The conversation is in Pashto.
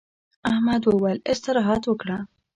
احمد وويل: استراحت وکړه.